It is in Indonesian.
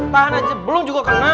tahan aja belum juga kena